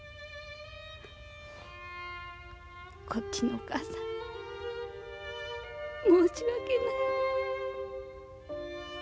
こっちのお母さんに申し訳ない。